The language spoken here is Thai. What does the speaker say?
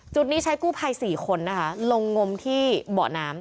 นี้ใช้กู้ภัย๔คนนะคะลงงมที่เบาะน้ำ